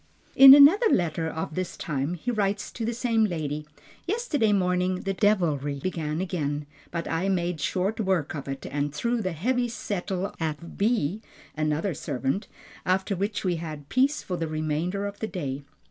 In another letter of this time he writes to the same lady, "Yesterday morning the devilry began again, but I made short work of it, and threw the heavy settle at B (another servant), after which we had peace for the remainder of the day."